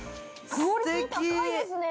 ◆クオリティー高いですね。